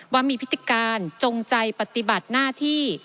ว่ามีพฤติการจงใจปฏิบัติหน้าที่